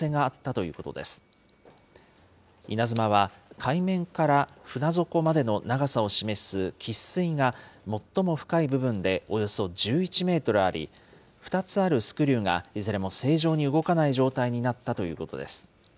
いなづまは、海面から船底までの長さを示す喫水が最も深い部分でおよそ１１メートルあり、２つあるスクリューが、いずれも正常に動かない状態になったということです。